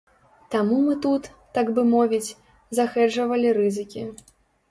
Таму мы тут, так бы мовіць, захэджавалі рызыкі.